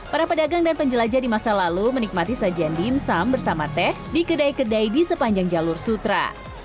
para pedagang dan penjelajah di masa lalu menikmati sajian dimsum bersama teh di kedai kedai di sepanjang jalur sutra